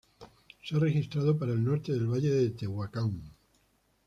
Se ha registrado para el norte de Valle de Tehuacán.